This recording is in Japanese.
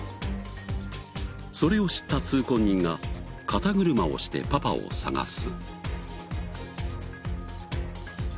それを知った通行人が肩車をしてパパを捜す。